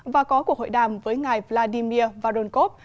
và có cuộc hội đàm với ngài vladimir varunkov